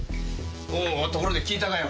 おところで聞いたかよ？